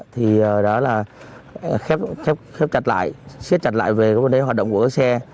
thì đó là khép chặt lại xếp chặt lại về hoạt động của các xe